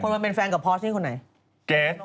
คนมันเป็นแฟนกับพอสต์นี่คุณไหน